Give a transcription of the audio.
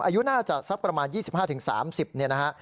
อายุน่าจะสักประมาณ๒๕๓๐เนี่ยนะฮะ